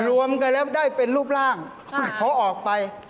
รวมกันแล้วได้เป็นรูปร่างเขาออกไป